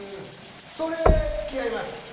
それ付き合います！